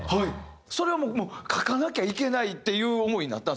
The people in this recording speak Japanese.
それはもう書かなきゃいけないっていう思いになったんですか？